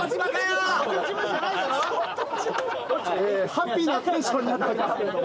ハッピーなテンションになっておりますけれども。